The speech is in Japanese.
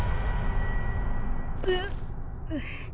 えっ？